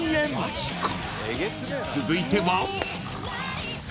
［続いては］